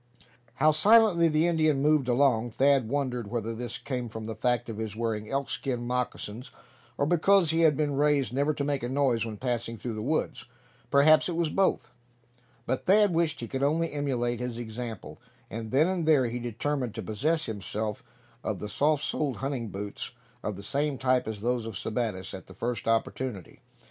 How silently the Indian moved along. Thad wondered whether this came from the fact of his wearing elkskin moccasins, or because he had been raised never to make a noise when passing through the woods; perhaps it was both; but Thad wished he could only emulate his example; and then and there he determined to possess himself of the soft soled hunting boots of the same type as those of Sebattis, at the first opportunity.